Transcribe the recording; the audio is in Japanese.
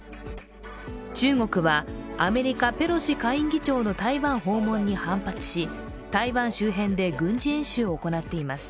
中国はアメリカ・ペロシ下院議長の台湾訪問に反発し台湾周辺で軍事演習を行っています。